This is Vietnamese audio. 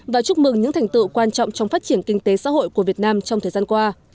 và chúc mừng những thành tựu quan trọng trong phát triển kinh tế xã hội của việt nam trong thời gian qua